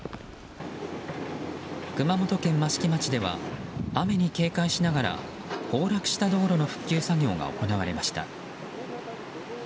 熊本県益城町では雨に警戒しながら崩落した道路の復旧作業が行われました。